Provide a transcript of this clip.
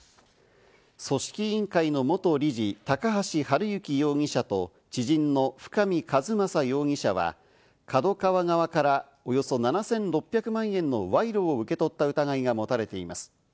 組織委員会の元事理・高橋治之容疑者と知人の深見和政容疑者はＫＡＤＯＫＡＷＡ側からおよそ７６００万円の賄賂を受け取った疑いが持たれています。